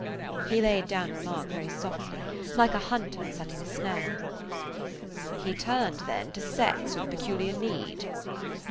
He laid down a remark very softly, like a hunter setting a snare. "He turned, then, to sex with a peculiar need."